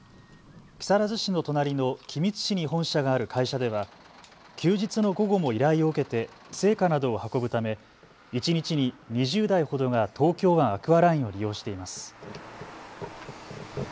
木更津市の隣の君津市に本社がある会社では休日の午後も依頼を受けて生花などを運ぶため一日に２０台ほどが東京湾アクアラインを利用しています。